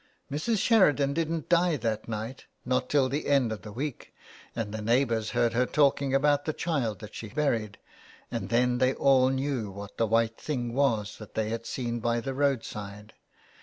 " Mrs. Sheridan didn't die that night ; not till the end of the week, and the neighbours heard her talking about the child that she buried, and then they all knew what the white thing was that they had seen by the road side.